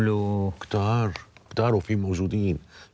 มีใครต้องจ่ายค่าคุมครองกันทุกเดือนไหม